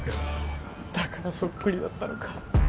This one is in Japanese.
だからそっくりだったのか。